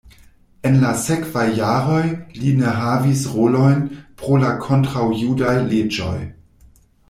En la sekvaj jaroj li ne havis rolojn pro la kontraŭjudaj leĝoj.